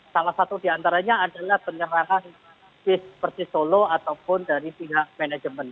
salah satu di antaranya adalah penyerahan bis seperti solo ataupun dari pihak manajemen